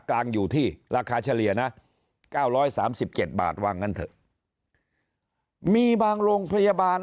กลางอยู่ที่ราคาเฉลี่ยนะ๙๓๗บาทว่างั้นเถอะมีบางโรงพยาบาล